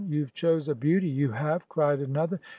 "You've chose a beauty, you have," cried another.